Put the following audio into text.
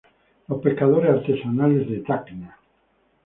Los pescadores artesanales de Tacna.